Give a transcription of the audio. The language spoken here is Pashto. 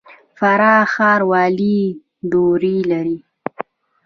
فراه ښار ولې دوړې لري؟